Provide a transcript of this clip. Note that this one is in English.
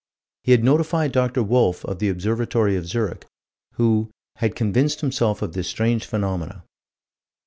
He had notified Dr. Wolf, of the Observatory of Zurich, who "had convinced himself of this strange phenomenon." Dr.